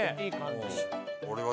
いい感じ。